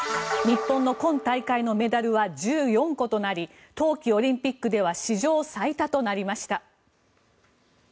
日本の今大会のメダルは１４個となり冬季オリンピックでは史上最多となりました。